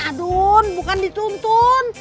aduh bukan dituntun